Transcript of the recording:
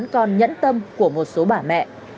còn nhẫn tâm của một số bà mẹ